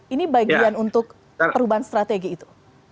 ini bagian untuk perubahan strategi itu